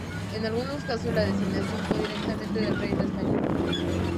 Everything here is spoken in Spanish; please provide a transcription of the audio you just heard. En algunos casos la designación fue directamente del rey de España.